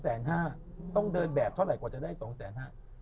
๒แสน๕ต้องเดินแบบเท่าไหร่กว่าจะได้๒แสน๕